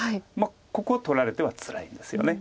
ここは取られてはつらいんですよね。